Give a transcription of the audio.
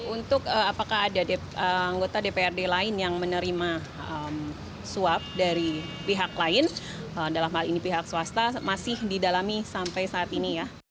untuk apakah ada anggota dprd lain yang menerima suap dari pihak lain dalam hal ini pihak swasta masih didalami sampai saat ini ya